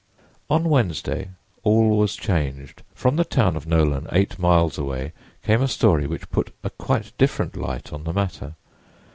On Wednesday all was changed. From the town of Nolan, eight miles away, came a story which put a quite different light on the matter.